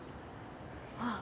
ああ。